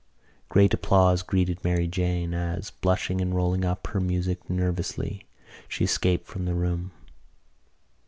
Great applause greeted Mary Jane as, blushing and rolling up her music nervously, she escaped from the room.